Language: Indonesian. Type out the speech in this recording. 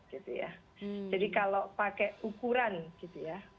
jadi kalau pakai ukuran gitu ya